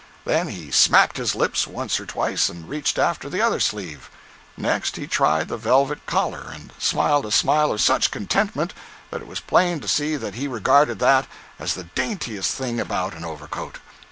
Then he smacked his lips once or twice, and reached after the other sleeve. Next he tried the velvet collar, and smiled a smile of such contentment that it was plain to see that he regarded that as the daintiest thing about an overcoat.